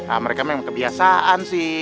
nah mereka memang kebiasaan sih